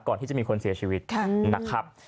ก่อนที่จะมีคนเสียชีวิตนะครับ